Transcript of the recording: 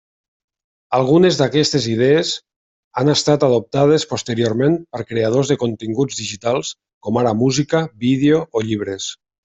Algunes d'aquestes idees han estat adoptades posteriorment per creadors de continguts digitals com ara música, vídeo o llibres.